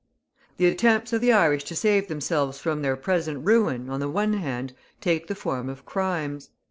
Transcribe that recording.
The attempts of the Irish to save themselves from their present ruin, on the one hand, take the form of crimes.